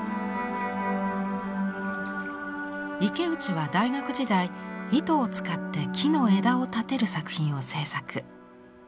池内は大学時代糸を使って木の枝を立てる作品を制作。